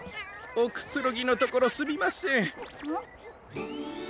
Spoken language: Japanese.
おくつろぎのところすみません。